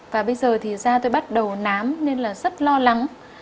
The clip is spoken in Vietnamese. và bây giờ thì da tôi bắt đầu nám nên là rất lo lắng